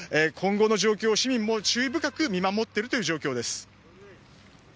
今後の状況を市民も注意深く見守っているという状況です。